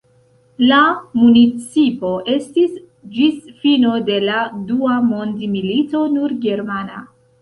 La municipo estis ĝis fino de la dua mondmilito nur germana.